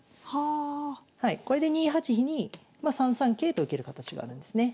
これで２八飛にま３三桂と受ける形があるんですね。